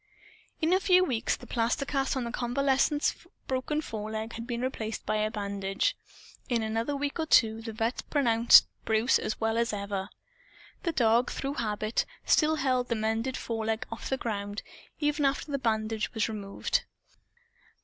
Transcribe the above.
In a few weeks, the plaster cast on the convalescent's broken foreleg had been replaced by a bandage. In another week or two the vet' pronounced Bruce as well as ever. The dog, through habit, still held the mended foreleg off the ground, even after the bandage was removed.